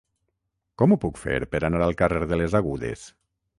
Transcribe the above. Com ho puc fer per anar al carrer de les Agudes?